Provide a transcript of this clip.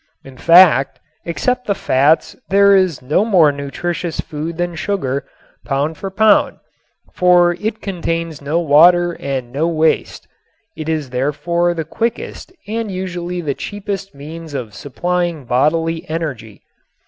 In fact, except the fats there is no more nutritious food than sugar, pound for pound, for it contains no water and no waste. It is therefore the quickest and usually the cheapest means of supplying bodily energy.